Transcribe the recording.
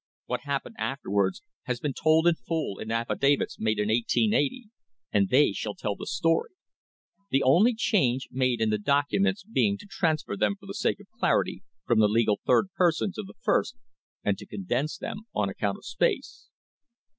What happened afterwards has been told in full in affidavits made in i88o,t and they shall tell the story; the only change made in the documents being to transfer them for the sake of clarity from the legal third person to the first, and to condense them on account of space.